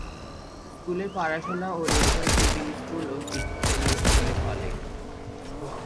স্কুলের পড়াশোনা oriental civil school ও সিটি ট্রেনিং স্কুলে হলে।